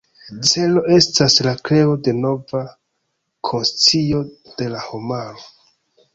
Celo estas la kreo de nova konscio de la homaro.